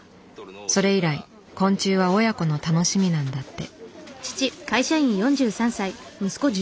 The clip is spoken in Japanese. それ以来昆虫は親子の楽しみなんだって。